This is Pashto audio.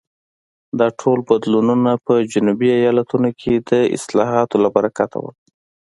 دا ټول بدلونونه په جنوبي ایالتونو کې د اصلاحاتو له برکته وو.